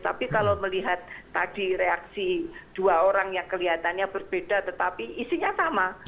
tapi kalau melihat tadi reaksi dua orang yang kelihatannya berbeda tetapi isinya sama